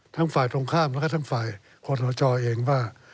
ทั้งฝ่ายตรงข้ามแล้วก็ทั้งฝ่ายขอสจเองว่า